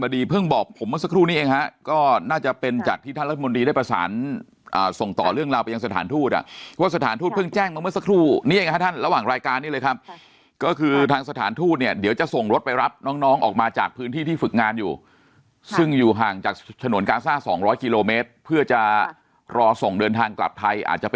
เพิ่งบอกผมเมื่อสักครู่นี้เองฮะก็น่าจะเป็นจากที่ท่านรัฐมนตรีได้ประสานส่งต่อเรื่องราวไปยังสถานทูตอ่ะว่าสถานทูตเพิ่งแจ้งมาเมื่อสักครู่นี่เองฮะท่านระหว่างรายการนี้เลยครับก็คือทางสถานทูตเนี่ยเดี๋ยวจะส่งรถไปรับน้องน้องออกมาจากพื้นที่ที่ฝึกงานอยู่ซึ่งอยู่ห่างจากฉนวนกาซ่าสองร้อยกิโลเมตรเพื่อจะรอส่งเดินทางกลับไทยอาจจะไป